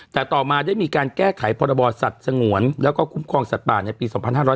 แต่ต่อมาได้มีการแก้ไขพรบสัตว์สงวนแล้วก็คุ้มครองสัตว์ป่าในปี๒๕๕๙